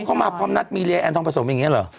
เขามาพร้อมนัดมีเรียแอนทองผสมอย่างนี้เหรอ